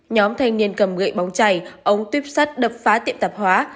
nhóm thanh niên cầm gượi bóng chảy ống tuyếp sắt đập phá tiệm tạp hóa